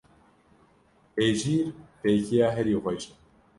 Hejîr fêkiya herî xweş e.